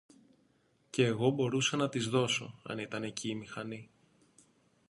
Κι εγώ μπορούσα να τις δώσω, αν ήταν εκεί η μηχανή